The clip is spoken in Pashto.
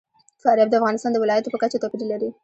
فاریاب د افغانستان د ولایاتو په کچه توپیر لري.